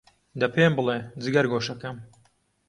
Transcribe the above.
دە پێم بڵێ، جگەرگۆشەم،